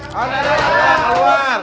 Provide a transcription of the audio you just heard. kang gadang keluar